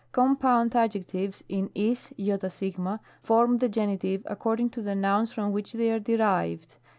Compound Adjectives in ig form the Gen. ac cording to the nouns from which they are derived.